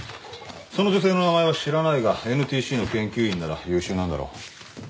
その女性の名前は知らないがＮＴＣの研究員なら優秀なんだろう。